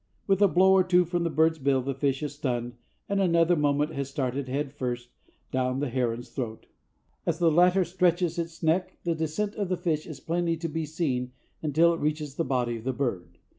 With a blow or two from the bird's bill the fish is stunned and in another moment has started head first down the heron's throat. As the latter stretches its neck, the descent of the fish is plainly to be seen until it reaches the body of the bird.